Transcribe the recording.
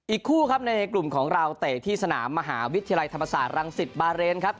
อีกคู่ครับในกลุ่มของเราเตะที่สนามมหาวิทยาลัยธรรมศาสตรังสิตบาเรนครับ